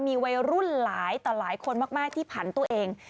มีวัยรุ่นหลายแต่หลายคนมีภัณฑ์ตัวเอง